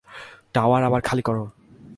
Tower আবার খালি করো।